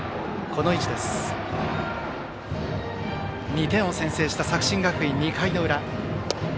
２点を先制した作新学院、２回の裏。